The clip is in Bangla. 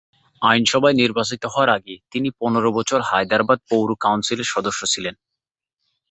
আইনসভায় নির্বাচিত হওয়ার আগে তিনি পনেরো বছর হায়দরাবাদ পৌর কাউন্সিলের সদস্য ছিলেন।